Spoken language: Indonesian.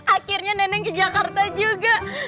akhirnya neneng ke jakarta juga